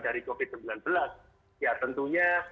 dari covid sembilan belas ya tentunya